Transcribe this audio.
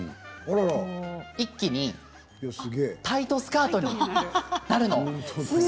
一気にタイトスカートになるんです。